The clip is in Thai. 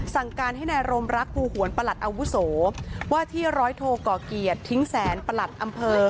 สั่งการให้นายรมรักภูหวนประหลัดอาวุโสว่าที่ร้อยโทก่อเกียรติทิ้งแสนประหลัดอำเภอ